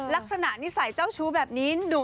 ลักษณะนิสัยเจ้าชู้แบบนี้ดุ